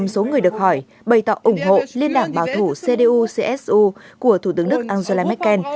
năm mươi hai số người được hỏi bày tỏ ủng hộ liên đảng bảo thủ cdu csu của thủ tướng đức angela merkel